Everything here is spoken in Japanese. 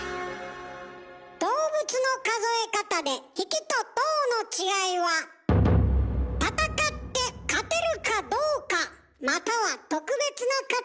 動物の数え方で「匹」と「頭」の違いは戦って勝てるかどうかまたは特別な価値があるかどうか。